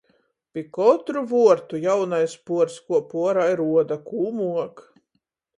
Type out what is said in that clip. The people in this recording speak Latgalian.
Pi kotru vuortu jaunais puors kuop uorā i ruoda, kū muok.